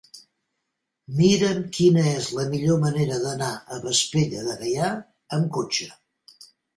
Mira'm quina és la millor manera d'anar a Vespella de Gaià amb cotxe.